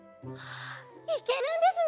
いけるんですね！